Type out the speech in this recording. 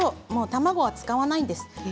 卵は使わないんです。